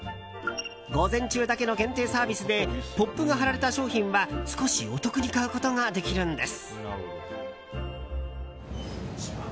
午前中だけの限定サービスでポップが貼られた商品は少しお得に買うことができるんです。